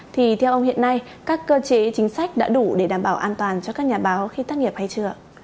thì theo ông hiện nay các cơ chế chính sách đã đủ để đảm bảo an toàn cho các nhà báo khi tác nghiệp hay chưa